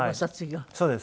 そうです。